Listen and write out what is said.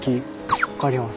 分かります？